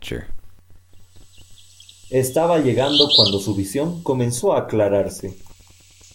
Estaba llegando cuando su visión comenzó a aclararse.